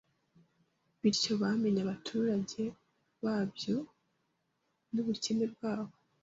bityo bamenye abaturage babyo n’ubukene bwabo